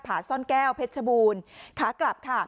าซ่อนแก้วเพชรชบูรณ์ขากลับค่ะ